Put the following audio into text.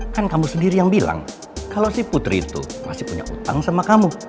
kan kamu sendiri yang bilang kalau si putri itu masih punya utang sama kamu